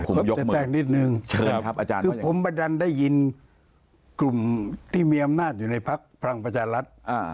ผมจะแจ้งนิดนึงครับคือผมบัดดันได้ยินกลุ่มที่มีอำนาจอยู่ในพักภังประจารัฐ